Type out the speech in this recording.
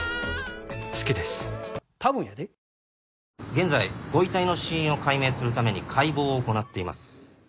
現在ご遺体の死因を解明するために解剖を行っています。